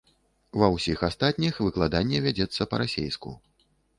Ва ўсіх астатніх выкладанне вядзецца па-расейску.